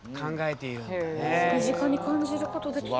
身近に感じることできた。